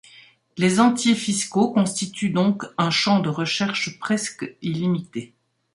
Les entiers fiscaux constituent donc un champ de recherche presque illimité.